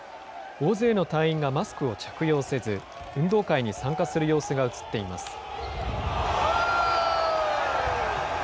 大勢の隊員がマスクを着用せず、運動会に参加する様子が写っています。